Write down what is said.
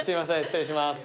失礼します。